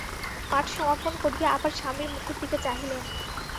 পাঠ সমাপন করিয়া আবার স্বামীর মুখের দিকে চাহিলেন।